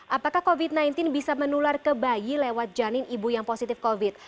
apakah covid sembilan belas bisa menular ke bayi lewat janin ibu yang positif covid